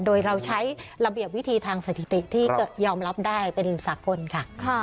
โดยเราใช้ระเบียบวิธีทางสถิติที่ยอมรับได้เป็นสากลค่ะ